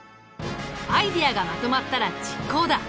アイデアがまとまったら実行だ！